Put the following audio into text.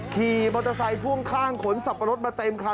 ขี่มอเตอร์ไซค์พ่วงข้างขนสับปะรดมาเต็มคัน